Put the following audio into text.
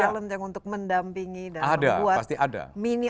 talen talen yang untuk mendampingi dan membuat mini entrepreneur